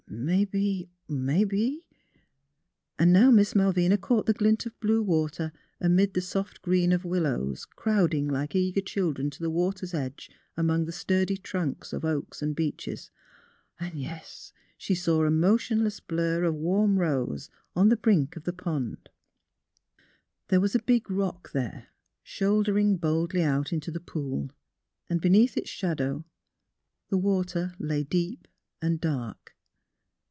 Mebbe — mebbe. ..." And now Miss Malvina caught the glint of blue water amid the soft green of willows, crowding like eager children to the water's edge among the sturdy trunks of oaks and beeches. And, yes, she saw a motionless blur of warm rose, on the brink of the pond. There was a big rock there, shouldering boldly out into the pool, and beneath its shadow the water lay deep and dark.